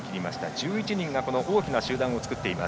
１１人が大きな集団を作っています。